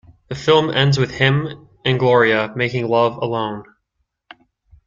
The film ends with him and Gloria making love alone.